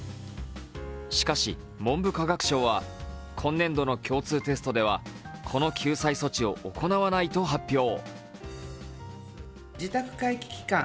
しかし文部科学省は今年度の共通テストではこの救済措置を行わないと発表。